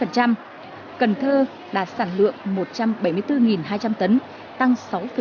cần thơ đạt sản lượng một trăm bảy mươi bốn hai trăm linh tấn tăng sáu bốn